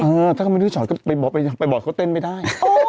เออถ้าเขาไม่ได้ชอตก็ไปบอกเขาเต้นไม่ได้